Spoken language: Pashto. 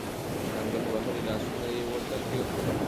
کنګل وهلي لاسونه يې ورته کېښودل.